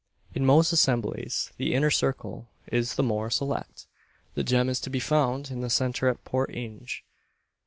In most assemblies the inner circle is the more select. The gem is to be found in the centre at Port Inge.